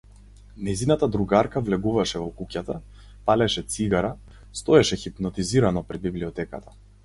Нејзината другарка влегуваше во куќата, палеше цигара, стоеше хипнотизирано пред библиотеката.